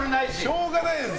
しょうがないです。